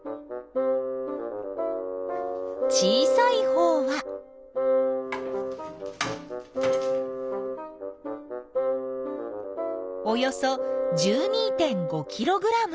小さいほうはおよそ１２．５ｋｇ。